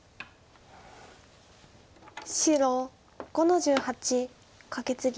白５の十八カケツギ。